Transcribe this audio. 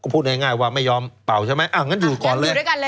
พูดง่ายว่าไม่ยอมเป่าใช่ไหมอยู่ก่อนเลย